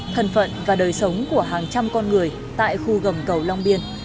thần phận và đời sống của hàng trăm con người tại khu gầm cầu long biên